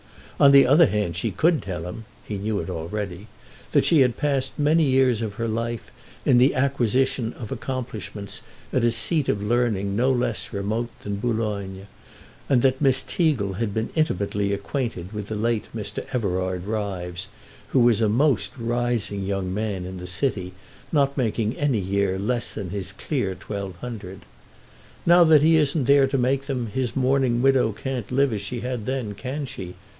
On the other hand she could tell him (he knew it already) that she had passed many years of her life in the acquisition of accomplishments at a seat of learning no less remote than Boulogne, and that Miss Teagle had been intimately acquainted with the late Mr. Everard Ryves, who was a "most rising" young man in the city, not making any year less than his clear twelve hundred. "Now that he isn't there to make them, his mourning widow can't live as she had then, can she?"